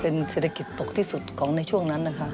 เศรษฐกิจตกที่สุดของในช่วงนั้นนะคะ